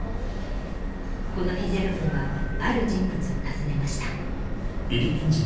この日ジェロムはある人物を訪ねました